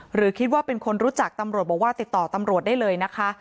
หรือคิดว่าเป็นคนรู้จักตำรวจบอกว่าติดต่อตำรวจได้เลยนะคะ